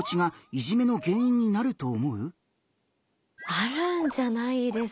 あるんじゃないですかね。